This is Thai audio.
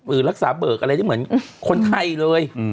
หรือรักษาเบิกอะไรที่เหมือนคนไทยเลย